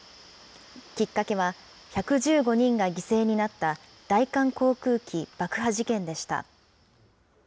きっかけは、１１５人が犠牲になった大韓航空機爆破事件でした。